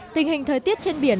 tình hình thời tiết trên biển